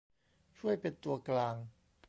ช่วยเป็นตัวกลาง